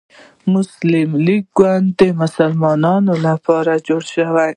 مسلم لیګ ګوند د مسلمانانو لپاره جوړ شو.